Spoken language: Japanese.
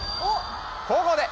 後攻で！